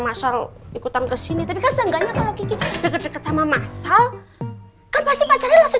masal ikutan kesini tapi kan seenggaknya kalau kiki deket deket sama masal kan pasti pacarnya masih